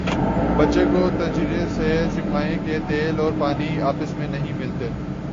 بچے کو تجربے سے سکھائیں کہ تیل اور پانی آپس میں نہیں ملتے